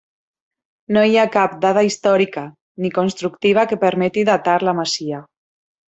No hi ha cap dada històrica ni constructiva que permeti datar la masia.